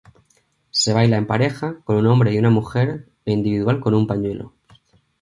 Se baila en pareja, con un hombre y una mujer e individual con pañuelo.